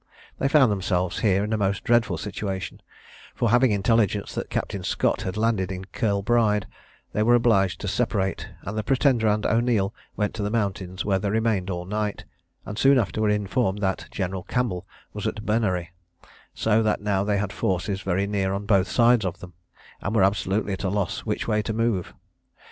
They found themselves here in a most dreadful situation; for, having intelligence that Captain Scott had landed at Kilbride, they were obliged to separate, and the Pretender and O'Neil went to the mountains, where they remained all night, and soon after were informed that General Campbell was at Bernary; so that now they had forces very near on both sides of them, and were absolutely at a loss which way to move.